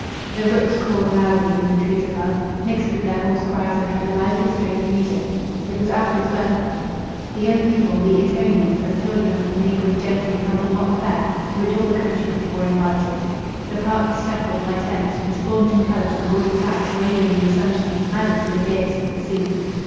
The rooks cawed loudly in the trees above; mixed with their hoarse cries I heard a lively strain of music. It was Alfred's birthday. The young people, the Etonians, and children of the neighbouring gentry, held a mock fair, to which all the country people were invited. The park was speckled by tents, whose flaunting colours and gaudy flags, waving in the sunshine, added to the gaiety of the scene.